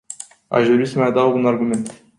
Aș dori să mai adaug un argument.